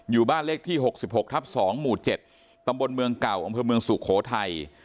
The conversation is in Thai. อยู่บ้านเลขที่๖๖ทับ๒หมู่๗ตำบลเมืองเก่าอำเภอเมืองสุโขทัย